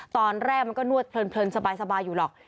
ตอนแรกมันก็นวดเพลินสบายอยู่หรอก